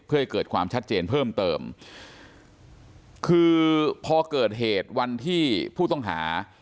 เพื่อให้เกิดความชัดเจนเพิ่มเติมคือพอเกิดเหตุวันที่ผู้ต้องหา